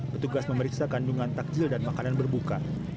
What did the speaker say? petugas memeriksa kandungan takjil dan makanan berbuka